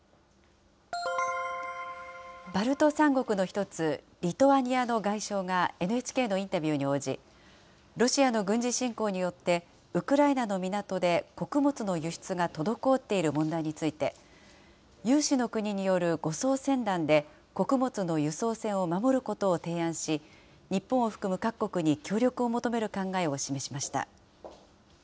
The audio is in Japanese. バルト３国の１つ、リトアニアの外相がＮＨＫのインタビューに応じ、ロシアの軍事侵攻によって、ウクライナの港で穀物の輸出が滞っている問題について、有志の国による護送船団で穀物の輸送船を守ることを提案し、日本を含む各国に協力を求める考えを示しました。